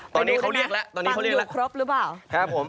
ไปดูนะคะฟังอยู่ครบหรือเปล่า